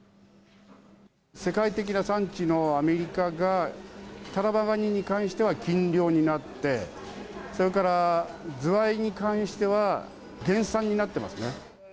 世界的な産地のアメリカが、タラバガニに関しては禁漁になって、それからズワイに関しては、減産になってますね。